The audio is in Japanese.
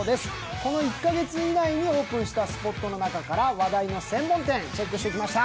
この１カ月以内にオープンしたスポットの中から話題の専門店、チェックしてきました。